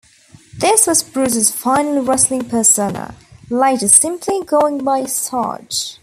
This was Bruce's final wrestling persona, later simply going by Sarge.